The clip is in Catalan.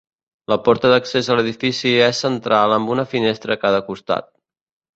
La porta d'accés a l'edifici és central amb una finestra a cada costat.